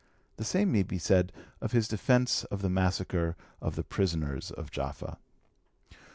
The same may be said of his defence of the massacre of the prisoners of Jaffa.